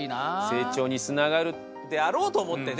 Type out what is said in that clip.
成長につながるであろうと思ってね！